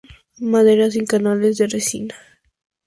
Madera sin canales de resina.